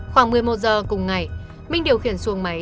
khoảng một mươi một giờ cùng ngày minh điều khiển xuồng máy